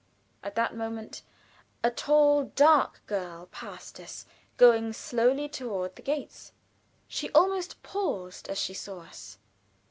At that moment a tall, dark girl passed us, going slowly toward the gates. She almost paused as she saw us.